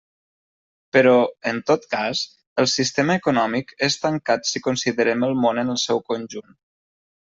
Però, en tot cas, el sistema econòmic és tancat si considerem el món en el seu conjunt.